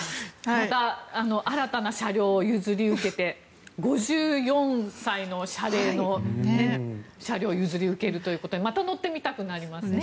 また新たな車両を譲り受けて５４歳の車齢の車両を譲り受けるということでまた乗ってみたくなりますね。